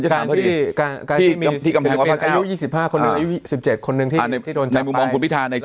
การที่มีอายุ๒๕คนหนึ่งอายุ๑๗คนหนึ่งที่โดนจับไป